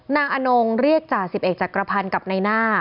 นางอนงเรียกจ่า๑๑จักรพรรณกับในหน้า